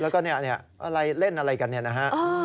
แล้วก็นี่เล่นอะไรกันเนี่ยนะฮะ